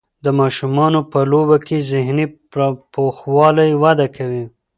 د ماشومانو په لوبو کې ذهني پوخوالی وده کوي.